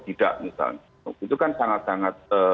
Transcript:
tidak misalnya itu kan sangat sangat